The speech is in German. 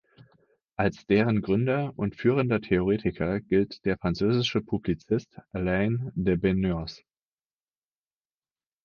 Als deren Gründer und führender Theoretiker gilt der französische Publizist Alain de Benoist.